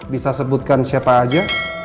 bisa sebutkan siapa aja